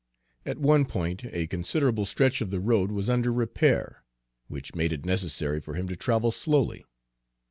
At one point a considerable stretch of the road was under repair, which made it necessary for him to travel slowly.